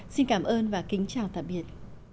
xin cảm ơn và kính chào tạm biệt